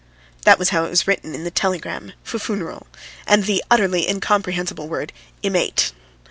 That was how it was written in the telegram "fufuneral," and the utterly incomprehensible word "immate."